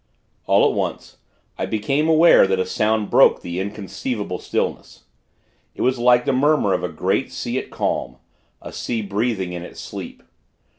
All at once, I became aware that a sound broke the inconceivable stillness. It was like the murmur of a great sea at calm a sea breathing in its sleep.